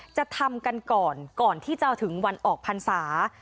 จะทำกันก่อนก่อนที่จะถึงวันออกพรรษา